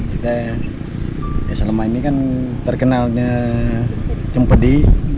kita ya selama ini kan terkenalnya cempedi